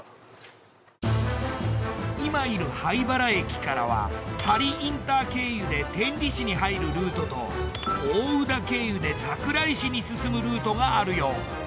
今いる榛原駅からは針インター経由で天理市に入るルートと大宇陀経由で桜井市に進むルートがあるよう。